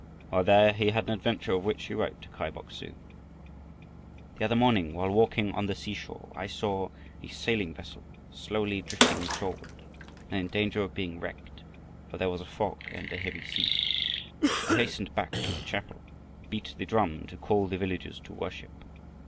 While there he had an adventure of which he wrote to Kai Bok su. "The other morning while walking on the seashore I saw a sailing vessel slowly drifting shoreward and in danger of being wrecked, for there was a fog and a heavy sea. I hastened back to the chapel and beat the drum to call the villagers to worship.